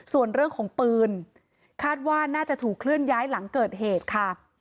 ส่วนเรื่องของปืนคาดว่าน่าจะถูกเคลื่อนย้ายหลังเกิดเหตุค่ะ